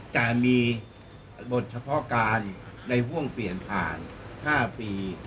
แต่มีบทเฉพาะการในห่วงเปลี่ยนผ่าน๕ปี